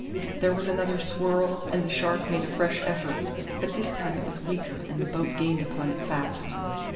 There was another swirl and the shark made a fresh effort, but this time it was weaker and the boat gained upon it fast.